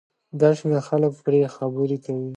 ګن شمېر خلک پرې خبرې کوي